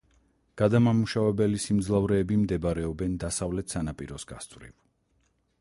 გადამამუშავებელი სიმძლავრეები მდებარეობენ დასავლეთ სანაპიროს გასწვრივ.